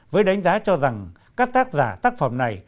với đánh giá cho rằng các tác giả tác phẩm này